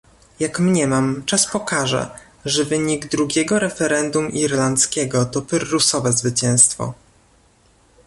Jak mniemam, czas pokaże, że wynik drugiego referendum irlandzkiego to pyrrusowe zwycięstwo